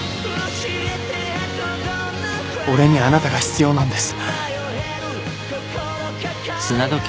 俺にはあなたが必要なんです。